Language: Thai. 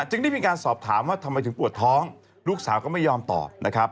จึงได้มีการสอบถามว่าทำไมถึงปวดท้องลูกสาวก็ไม่ยอมตอบนะครับ